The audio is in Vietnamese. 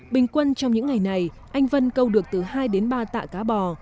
bình quân trong những ngày này anh vân câu được từ hai đến ba tạ cá bò